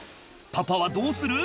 パパはどうする？